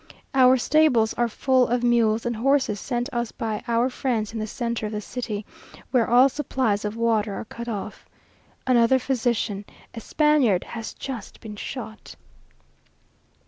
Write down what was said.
Our stables are full of mules and horses sent us by our friends in the centre of the city, where all supplies of water are cut off. Another physician, a Spaniard, has just been shot!